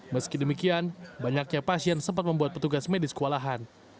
meski demikian banyaknya pasien sempat membuat petugas medis kewalahan